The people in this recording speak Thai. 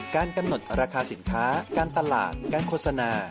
การกำหนดราคาสินค้าการตลาดการโฆษณา